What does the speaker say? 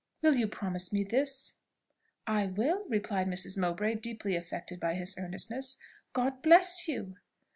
Will you promise me this?" "I will," replied Mrs. Mowbray, deeply affected by his earnestness "God bless you!"